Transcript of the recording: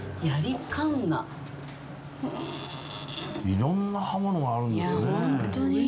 色んな刃物があるんですねえ。